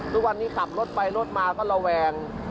ทุกวันนี้ขับรถไปรถมาก็ระแวง